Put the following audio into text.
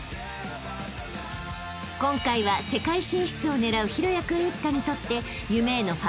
［今回は世界進出を狙う大也君一家にとって］